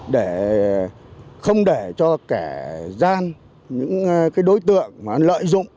để không để cho kẻ gian những đối tượng lợi dụng